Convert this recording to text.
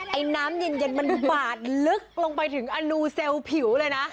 ไอน้ำเย็นมันบาดลึกลงไปถึงอลูเซลล์ผิวเลยนะ